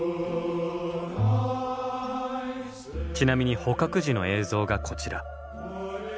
ちなみに捕獲時の映像がこちら。